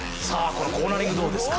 このコーナリングどうですか？